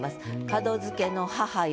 「門付けの母よ